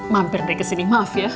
mampir dari kesini maaf ya